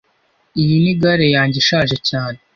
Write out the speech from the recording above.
Iyi ni gare yanjye ishaje cyane